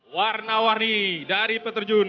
warna warni dari petunjuknya